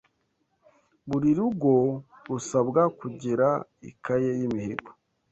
Buri rugo rusabwa kugira ikaye y’imihigo